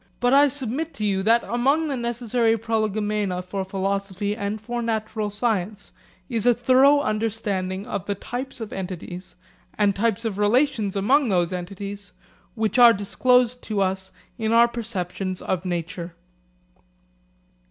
But I submit to you that among the necessary prolegomena for philosophy and for natural science is a thorough understanding of the types of entities, and types of relations among those entities, which are disclosed to us in our perceptions of nature.